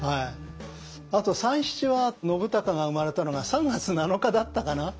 あと「三七」は信孝が生まれたのが３月７日だったかな？